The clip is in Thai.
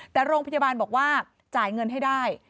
แต่โรงพยาบาลบอกว่าจ่ายเงินให้ได้